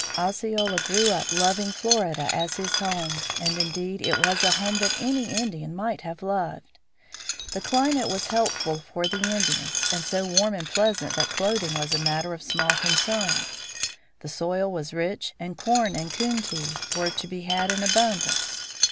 Osceola grew up loving Florida as his home. And, indeed, it was a home that any Indian might have loved. The climate was healthful for the Indians, and so warm and pleasant that clothing was a matter of small concern. The soil was rich, and corn and koontee were to be had in abundance.